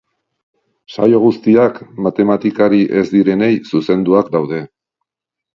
Saio guztiak matematikari ez direnei zuzenduak daude.